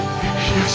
よし。